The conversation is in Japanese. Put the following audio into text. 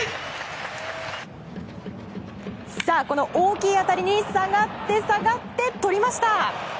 この大きい当たりに下がって、下がってとりました！